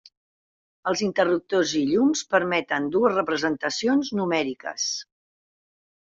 Els interruptors i llums permeten dues representacions numèriques.